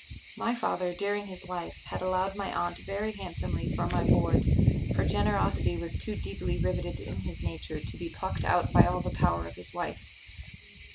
My father, during his life, had allowed my aunt very handsomely for my board; for generosity was too deeply riveted in his nature to be plucked out by all the power of his wife.